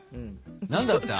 何だった？